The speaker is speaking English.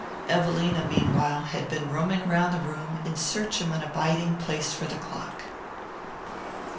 Evelina, meanwhile, had been roaming about the room in search of an abiding place for the clock.